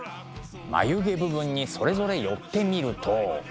眉毛部分にそれぞれ寄ってみると。